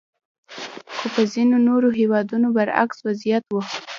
خو په ځینو نورو هېوادونو برعکس وضعیت وو.